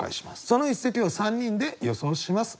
その一席を３人で予想します。